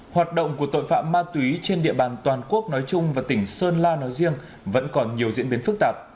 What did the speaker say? hoạt động của tội phạm ma túy trên địa bàn toàn quốc nói chung và tỉnh sơn la nói riêng vẫn còn nhiều diễn biến phức tạp